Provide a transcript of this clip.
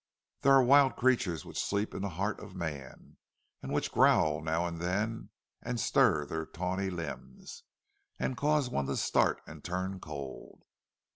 There are wild creatures which sleep in the heart of man, and which growl now and then, and stir their tawny limbs, and cause one to start and turn cold.